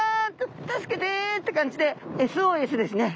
助けて！って感じでＳＯＳですね。